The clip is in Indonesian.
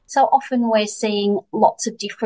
jadi sering kita melihat banyak cara berbeda